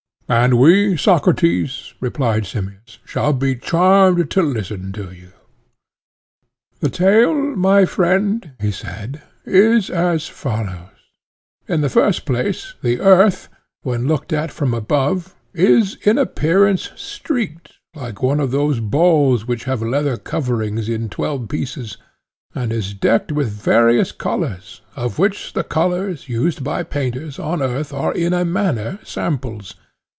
And we, Socrates, replied Simmias, shall be charmed to listen to you. The tale, my friend, he said, is as follows:—In the first place, the earth, when looked at from above, is in appearance streaked like one of those balls which have leather coverings in twelve pieces, and is decked with various colours, of which the colours used by painters on earth are in a manner samples.